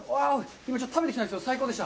今、食べてきたんですけど、最高でした。